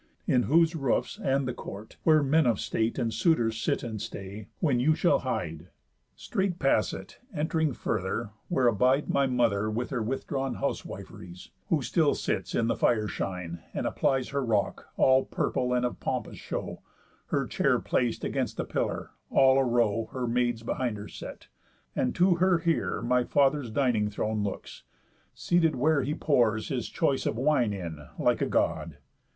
In whose roofs, and the court (where men of state, And suitors sit and stay) when you shall hide, Straight pass it, ent'ring further, where abide My mother, with her withdrawn housewif'ries, Who still sits in the fire shine, and applies Her rock, all purple, and of pompous show, Her chair plac'd 'gainst a pillar, all a row Her maids behind her set; and to her here My father's dining throne looks, seated where He pours his choice of wine in, like a God.